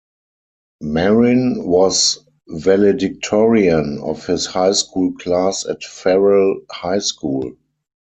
Marin was valedictorian of his high school class at Farrell High School.